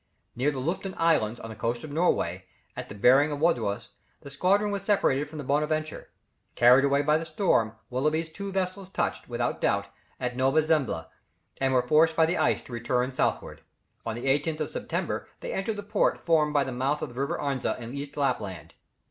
Near the Loffoden Islands, on the coast of Norway at the bearing of Wardhous, the squadron was separated from the Bonaventure. Carried away by the storm, Willoughby's two vessels touched, without doubt, at Nova Zembla, and were forced by the ice to return southwards. On the 18th of September, they entered the port formed by the mouth of the River Arzina in East Lapland.